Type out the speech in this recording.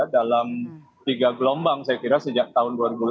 dalam tiga gelombang saya kira sejak tahun dua ribu delapan belas